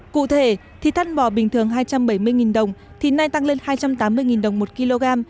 cụ thể thịt thăn bò bình thường hai trăm bảy mươi đồng thịt này tăng lên hai trăm tám mươi đồng một kg